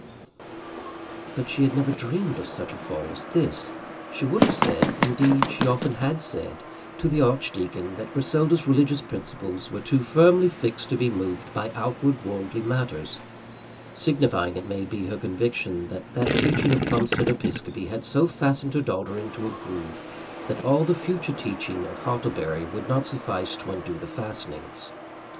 But she had never dreamed of such a fall as this! She would have said, indeed, she often had said, to the archdeacon that Griselda's religious principles were too firmly fixed to be moved by outward worldly matters; signifying, it may be, her conviction that that teaching of Plumstead Episcopi had so fastened her daughter into a groove, that all the future teaching of Hartlebury would not suffice to undo the fastenings.